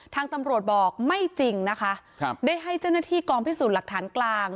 ทางตำรวจบอกไม่จริงนะคะครับได้ให้เจ้าหน้าที่กองพิสูจน์หลักฐานกลาง